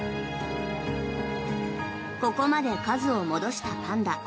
ここまで数を戻したパンダ。